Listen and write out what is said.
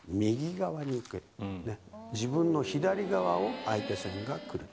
自分の左側を相手船が来る。